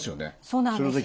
そうなんです。